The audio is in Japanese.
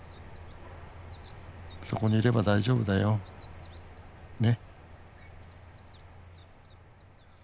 そこにいれば大丈夫だよ。ね